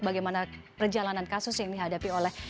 bagaimana perjalanan kasus yang dihadapi oleh